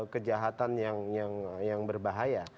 kejahatan yang berbahaya